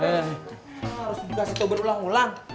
harus juga setoban ulang ulang